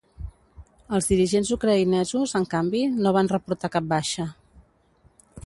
Els dirigents ucraïnesos, en canvi, no van reportar cap baixa.